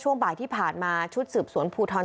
ช่วงบ่ายที่ผ่านมาชุดสืบสวนภูทร